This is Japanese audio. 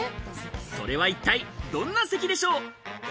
それは一体どんな席でしょう？